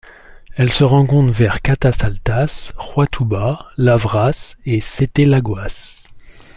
Elle se rencontre vers Catas Altas, Juatuba, Lavras et Sete Lagoas.